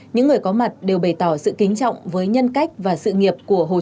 những người có mặt đều bày tỏ sự kính trọng với nhân cách và sự nghiệp của hồ chí minh